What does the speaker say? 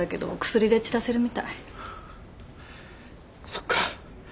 そっか。